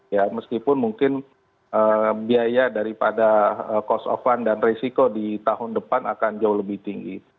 ya meskipun mungkin biaya daripada cost of fund dan risiko di tahun depan akan jauh lebih tinggi